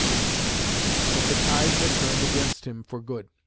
But the tide had turned against him for good.